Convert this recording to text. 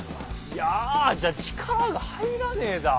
「やあ」じゃ力が入らねえだ。